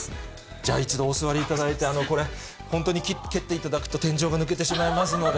じゃあ一度、お座りいただいて、本当にキック蹴っていただくと、天井が抜けてしまいますので。